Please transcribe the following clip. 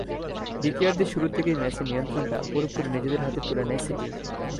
দ্বিতীয়ার্ধের শুরু থেকেই ম্যাচের নিয়ন্ত্রণটা পুরোপুরি নিজেদের হাতে তুলে নেয় সিটি।